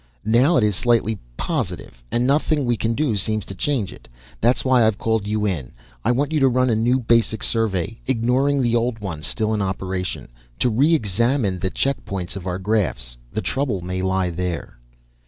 Now it is slightly positive and nothing we can do seems to change it. That's why I've called you in. I want you to run a new basic survey, ignoring the old one still in operation, to re examine the check points on our graphs. The trouble may lie there."